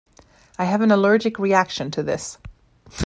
I have an allergic reaction to this.